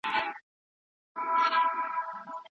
یوه ورځ یې وو